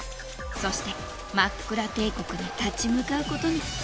そしてマックラ帝国に立ち向かうことに。